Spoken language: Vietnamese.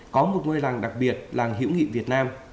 có một ngôi làng đặc biệt làng hữu nghị việt nam